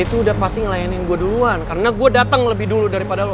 itu udah pasti ngelayanin gue duluan karena gue datang lebih dulu daripada lo